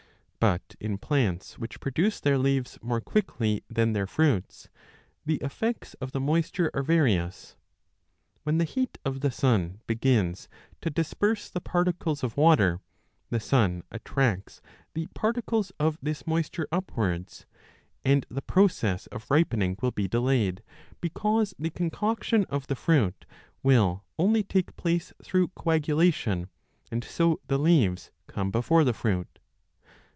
But in plants which produce their leaves more quickly than their fruits, the effects of the moisture are various. When the heat of the sun begins 20 to disperse the particles of water, the sun attracts the par ticles of this moisture upwards, and the process of ripening will be delayed, because the concoction of the fruit will only take place through coagulation, and so the leaves come before the fruit.